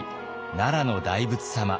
奈良の大仏様。